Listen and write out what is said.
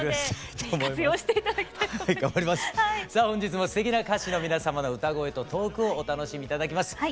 本日もすてきな歌手の皆様の歌声とトークをお楽しみ頂きます。